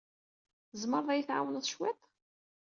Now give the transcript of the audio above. Tzemreḍ ad iyi-tɛawneḍ cwiṭ?